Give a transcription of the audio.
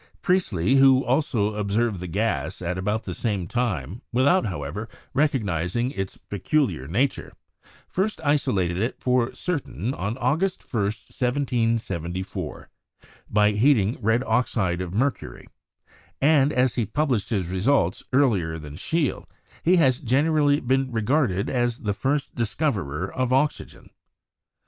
Priestley, who also observed the gas at about the same time, without, however, recognizing its peculiar nature, first isolated it for certain on August 1st, 1774, by heating red oxide of mercury; and as he published his results earlier than Scheele, he has generally been regarded as the first discoverer of oxygen.